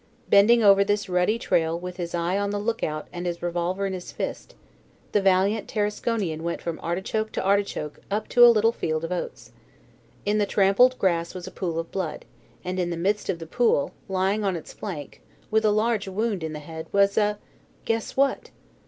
Bending over this ruddy trail with his eye on the lookout and his revolver in his fist, the valiant Tarasconian went from artichoke to artichoke up to a little field of oats. In the trampled grass was a pool of blood, and in the midst of the pool, lying on its flank, with a large wound in the head, was a guess what?